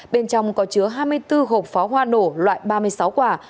bên trong có chứa hai mươi bốn hộp pháo hoa nổ loại ba mươi sáu quả